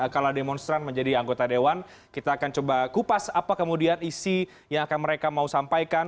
kalau demonstran menjadi anggota dewan kita akan coba kupas apa kemudian isi yang akan mereka mau sampaikan